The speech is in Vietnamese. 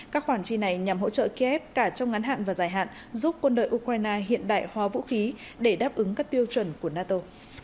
các khoản chi này nhằm hỗ trợ kiev cả trong ngắn hạn và dài hạn giúp quân đội ukraine hiện đại hóa vũ khí để đáp ứng các tiêu chuẩn của nato